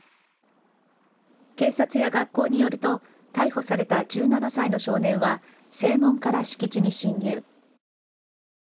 警察や学校によると逮捕された１７歳の少年は正門から敷地に侵入。